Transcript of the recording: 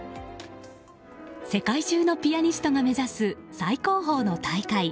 世界中のピアニストが目指す最高峰の大会